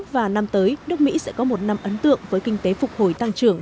và năm tới nước mỹ sẽ có một năm ấn tượng với kinh tế phục hồi tăng trưởng